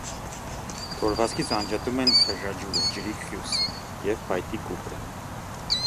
Թորվածքից անջատում են խեժաջուրը (ջրիկ խյուս) և փայտի կուպրը։